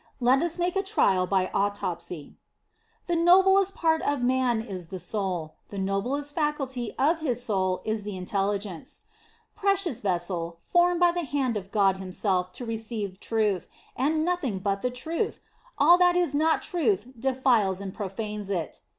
Let us make a trial by autopsy. The noblest part of man is the soul; the noblest faculty of his soul is the intelligence. Precious vessel, formed by the hand of God Himself to receive truth, and nothing but the truth! all that is not truth defiles and pro fanes it.